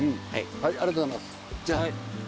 ありがとうございます。